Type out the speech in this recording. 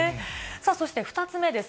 そして２つ目です。